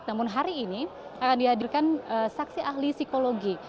namun hari ini akan dihadirkan saksi ahli psikologi